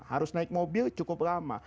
harus naik mobil cukup lama